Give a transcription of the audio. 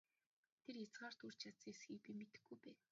Тэр хязгаарт хүрч чадсан эсэхийг би мэдэхгүй байна!